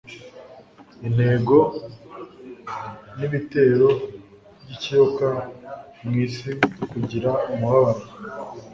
intege n’ibitero by’ikiyoka. “Mu isi mugira umubabaro,